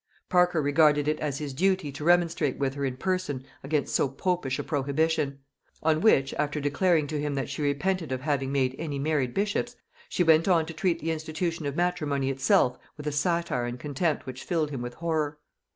Parker regarded it as his duty to remonstrate with her in person against so popish a prohibition; on which, after declaring to him that she repented of having made any married bishops, she went on to treat the institution of matrimony itself with a satire and contempt which filled him with horror.